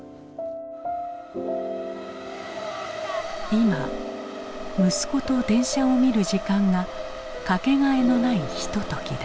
今息子と電車を見る時間が掛けがえのないひとときだ。